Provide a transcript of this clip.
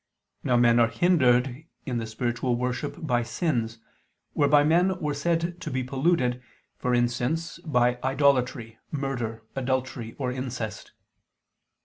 Now men are hindered in the spiritual worship by sins, whereby men were said to be polluted, for instance, by idolatry, murder, adultery, or incest.